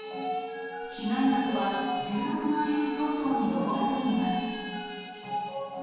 被害額は１６万円相当に上るといいます。